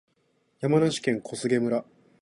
山梨県小菅村